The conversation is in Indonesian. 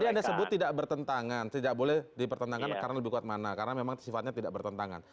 tadi anda sebut tidak bertentangan tidak boleh dipertentangkan karena lebih kuat mana karena memang sifatnya tidak bertentangan